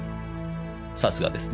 さすがですね。